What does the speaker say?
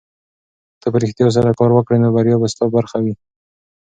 که ته په رښتیا سره کار وکړې نو بریا به ستا په برخه وي.